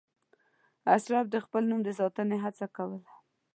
اشراف د خپل نوم د ساتنې هڅه کوله.